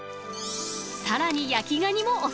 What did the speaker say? ［さらに焼きガニもお薦め］